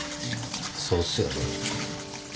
そうっすよね。